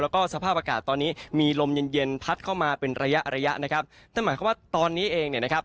แล้วก็สภาพอากาศตอนนี้มีลมเย็นเย็นพัดเข้ามาเป็นระยะระยะนะครับนั่นหมายความว่าตอนนี้เองเนี่ยนะครับ